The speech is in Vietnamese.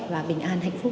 và bình an hạnh phúc ạ